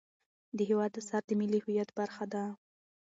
د هېواد اثار د ملي هویت برخه ده.